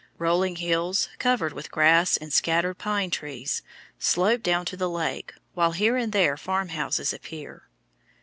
Rolling hills, covered with grass and scattered pine trees, slope down to the lake, while here and there farmhouses appear.